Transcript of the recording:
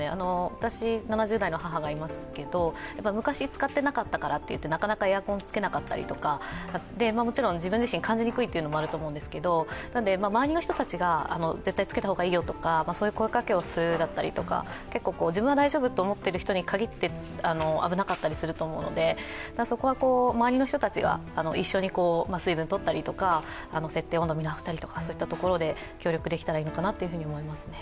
私、７０代の母がいますけど昔、使ってなかったからってなかなかエアコンつけなかったりとか、もちろん自分自身感じにくいというのもあるんですけれども、周りの人たちが絶対つけた方がいいよとか、そういう声かけをするだとか結構自分は大丈夫と思っている人にかぎって危なかったりすると思うので、そこは周りの人たちが一緒に水分とったりとか設定温度見直したりそういったところで協力できたらいいのかなと思いますね。